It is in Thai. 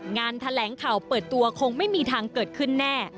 งานแถลงข่าวเปิดตัวคงไม่มีทางเกิดขึ้นแน่